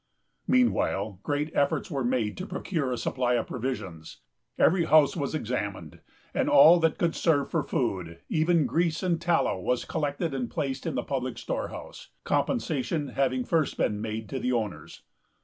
Meanwhile, great efforts were made to procure a supply of provisions. Every house was examined, and all that could serve for food, even grease and tallow, was collected and placed in the public storehouse, compensation having first been made to the owners.